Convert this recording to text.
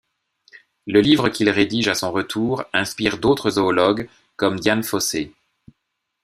Le livre qu'il rédige à son retour inspire d'autres zoologues comme Dian Fossey.